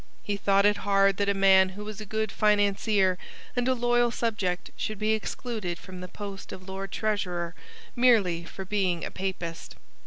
He thought it hard that a man who was a good financier and a loyal subject should be excluded from the post of Lord Treasurer merely for being a Papist.